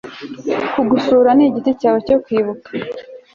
kugusura nigiti cyawe cyo kwibuka